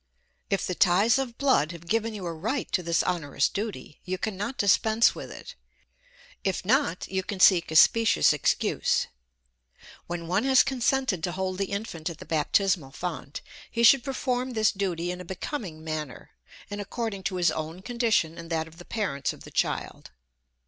If the ties of blood have given you a right to this onerous duty, you cannot dispense with it. If not, you can seek a specious excuse. When one has consented to hold the infant at the baptismal font, he should perform this duty in a becoming manner, and according to his own condition and that of the parents of the child.